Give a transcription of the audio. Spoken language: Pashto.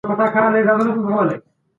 کوربه هیواد پټ قرارداد نه عملي کوي.